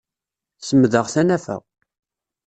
Semdeɣ tanafa.